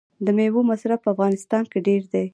د میوو مصرف په افغانستان کې ډیر دی.